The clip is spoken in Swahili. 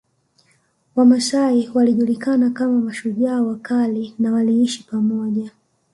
Wamasai walijulikana kama shujaa wakali na waliishi pamoja